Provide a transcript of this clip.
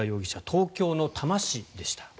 東京の多摩市でした。